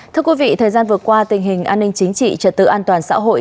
thưa quý vị thời gian vừa qua tình hình an ninh chính trị trật tự an toàn xã hội